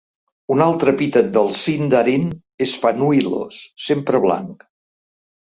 Un altre epítet del síndarin és "Fanuilos", "sempre blanc".